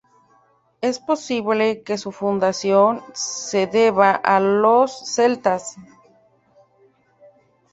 Es posible que su fundación se deba a los celtas.